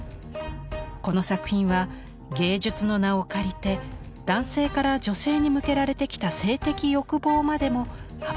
この作品は芸術の名を借りて男性から女性に向けられてきた性的欲望までも暴きだしています。